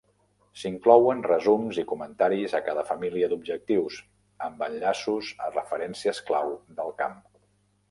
S'inclouen resums i comentaris a cada família d'objectius, amb enllaços a referències clau del camp.